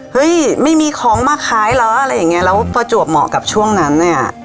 เฮ้ยไม่มีของมาขายเหรออะไรอย่างเงี้ยแล้วประจวบเหมาะกับช่วงนั้นเนี่ย